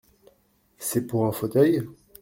C’est pour un fauteuil ?